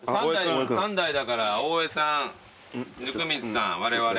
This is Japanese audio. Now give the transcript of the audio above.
３台だから大江さん温水さんわれわれ。